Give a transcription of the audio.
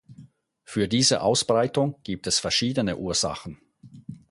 Für diese Ausbreitung gibt es verschiedene Ursachen.